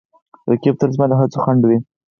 رقیب تل زما د هڅو خنډ وي